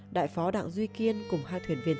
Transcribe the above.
đại phó đặng duy kiên cùng hai thuyền viên